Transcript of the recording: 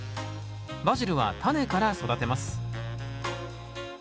バジルはタネから育てます。